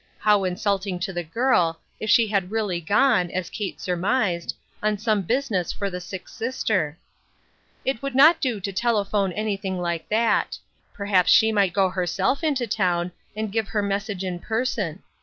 How insulting to the girl, if she had really gone, as Kate surmised, on some business for the sick sister ! It would not do to telephone anything like that. Perhaps she might go herself to town, and give her message in person.